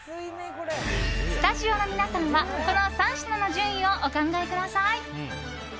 スタジオの皆さんはこの３品の順位をお考えください。